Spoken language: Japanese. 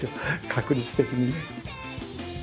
確率的にね。